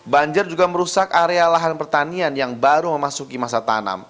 banjir juga merusak area lahan pertanian yang baru memasuki masa tanam